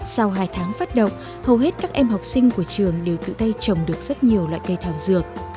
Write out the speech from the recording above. sau hai tháng phát động hầu hết các em học sinh của trường đều tự tay trồng được rất nhiều loại cây thảo dược